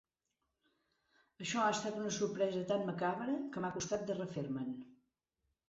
Això ha estat una sorpresa tan macabra que m'ha costat de refer-me'n.